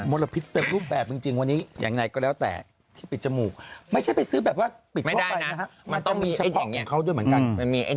มดพิษเต็มรูปแบบจริงวันนี้อย่างไรก็แล้วแต่ที่ปิดจมูกไม่ใช่ไปซื้อแบบว่าปิดเฉียบเข้าด้วยเหมือนกัน